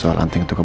jangan stres ya pak